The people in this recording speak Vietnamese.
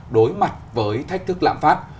đối mặt với thách thức lạm phát